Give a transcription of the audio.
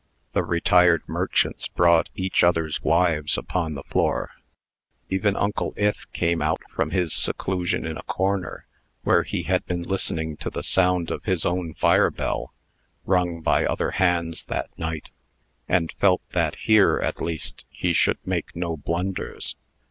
The retired merchants brought each other's wives upon the floor. Even Uncle Ith came out from his seclusion in a corner, where he had been listening to the sound of his own fire bell, rung by other hands that night, and felt that here, at least, he should make no blunders.